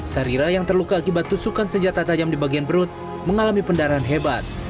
sarira yang terluka akibat tusukan senjata tajam di bagian perut mengalami pendarahan hebat